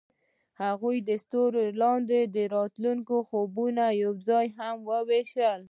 هغوی د ستوري لاندې د راتلونکي خوبونه یوځای هم وویشل.